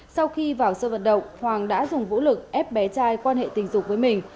sau khi vào sơ vận động hoàng đã dùng vũ lực ép bé trai quan hệ tình dục với mình